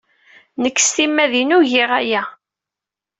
Nekk s timmad-inu giɣ aya.